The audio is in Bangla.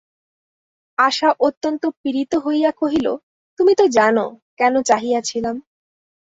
আশা অত্যন্ত পীড়িত হইয়া কহিল, তুমি তো জান, কেন চাহিয়াছিলাম।